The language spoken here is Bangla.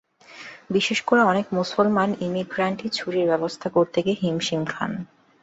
বিশেষ করে অনেক মুসলমান ইমিগ্রান্টই ছুটির ব্যবস্থা করতে গিয়ে হিমশিম খান।